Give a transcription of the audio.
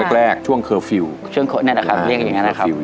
ช่วงแรกช่วงเคอร์ฟิลช่วงเคอร์ฟิลนะครับเรียกอย่างเงี้ยนะครับ